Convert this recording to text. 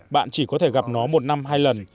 bạn chỉ có thể gặp nó một năm hai lần